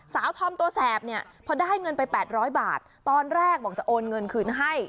ทอมตัวแสบเนี่ยพอได้เงินไป๘๐๐บาทตอนแรกบอกจะโอนเงินคืนให้